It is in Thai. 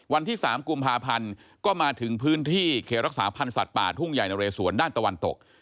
วันที่๓กุมภาพันธ์ก็มาถึงพื้นที่เขตรักษาพันธ์สัตว์ป่าทุ่งใหญ่นะเรสวนด้านตะวันตก